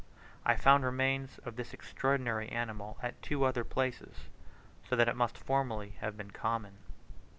I found remains of this extraordinary animal at two other places, so that it must formerly have been common.